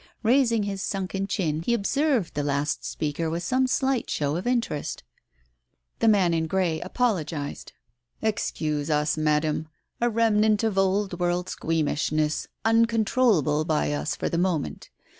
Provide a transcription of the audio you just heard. Raising his sunken chin, he observed the last speaker with some slight show of interest. Digitized by Google 138 TALES OF THE UNEASY The man in grey apologized. "Excuse us, Madam. A remnant of old world squeamishness, uncontrollable by us for the moment.